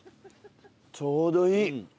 ちょうどいい。